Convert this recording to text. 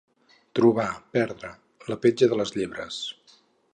Trobar, perdre, la petja de les llebres.